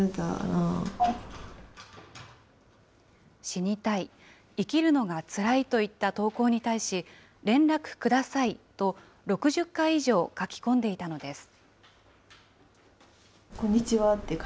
死にたい、生きるのがつらいといった投稿に対し、連絡くださいと６０回以上、書き込んでいたのです。